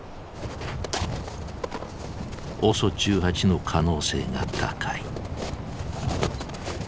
ＯＳＯ１８の可能性が高い。